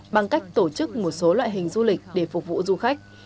bằng cách tổ chức một số loại hình du lịch để phục vụ du khách